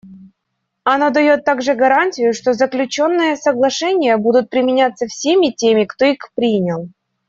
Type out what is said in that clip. Оно дает также гарантию, что заключенные соглашения будут применяться всеми теми, кто их принял.